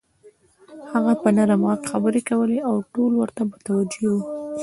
هغه په نرم غږ خبرې کولې او ټول ورته متوجه وو.